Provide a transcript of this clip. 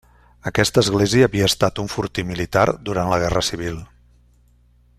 Aquesta església havia estat un fortí militar durant la guerra civil.